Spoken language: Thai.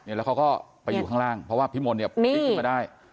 แล้วเขาก็ไปอยู่ข้างล่างเพราะว่าพี่มนต์เนี่ยพลิกขึ้นมาได้